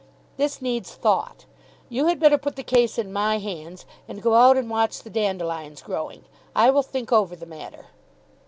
This needs thought. You had better put the case in my hands, and go out and watch the dandelions growing. I will think over the matter."